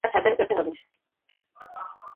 তার সার্জারি করতে হবে।